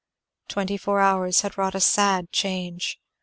Twenty four hours had wrought a sad change.